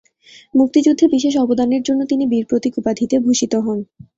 মুক্তিযুদ্ধে বিশেষ অবদানের জন্য তিনি বীর প্রতীক উপাধিতে ভূষিত হন।